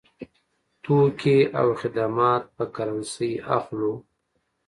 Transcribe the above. توکي او خدمات په کرنسۍ اخلو.